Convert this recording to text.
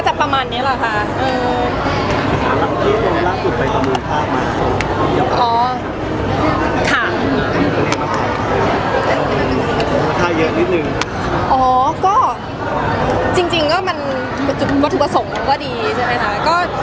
อ๋อจริงว่ามันวัตถุประสงค์ก็ดีใช่ไหมคะ